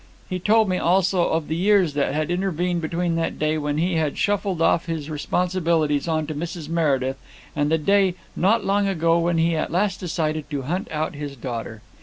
He told me also of the years that had intervened between that day when he had shuffled off his responsibilities on to Mrs. Meredith, and the day, not long ago, when he at last decided to hunt out his daughter.